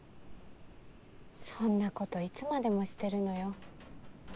そんなこといつまでもしてるのよ。